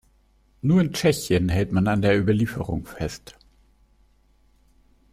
Nur in Tschechien hält man an der Überlieferung fest.